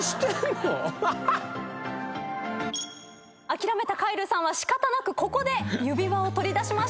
諦めたカイルさんは仕方なくここで指輪を取り出しました。